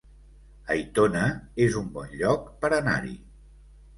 Aitona es un bon lloc per anar-hi